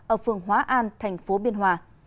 ở phường hóa an tp biên hòa